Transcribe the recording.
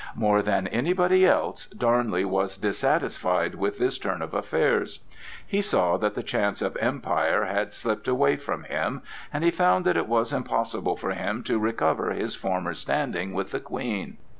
More than anybody else Darnley was dissatisfied with this turn of affairs. He saw that the chance of empire had slipped away from him, and he found that it was impossible for him to recover his former standing with the Queen.